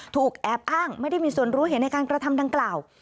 ถูกแอบอ้างไม่ได้มีส่วนรู้เห็นในการกระทำดังกล่าว